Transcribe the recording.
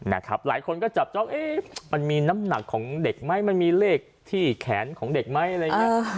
หลายคนก็จับจ้องเอ๊ะมันมีน้ำหนักของเด็กไหมมันมีเลขที่แขนของเด็กไหมอะไรอย่างนี้